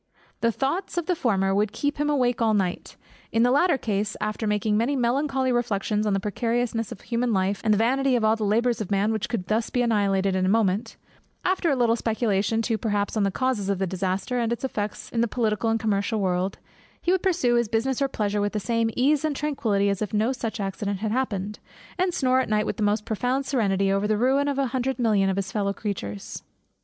The thoughts of the former, would keep him awake all night; in the latter case, after making many melancholy reflections on the precariousness of human life, and the vanity of all the labours of man which could be thus annihilated in a moment; after a little speculation too perhaps on the causes of the disaster, and its effects in the political and commercial world; he would pursue his business or his pleasure with the same ease and tranquillity as if no such accident had happened; and snore at night with the most profound serenity over the ruin of a hundred million of his fellow creatures.